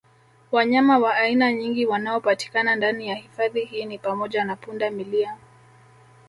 Wanyama wa aina nyingi wanaopatikana ndani ya hifadhi hii ni pamoja na punda milia